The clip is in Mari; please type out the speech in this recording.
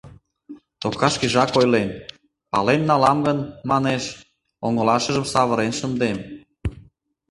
Тока шкежак ойлен: пален налам гын, манеш, оҥылашыжым савырен шындем.